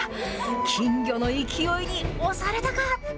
金魚の勢いに押されたか？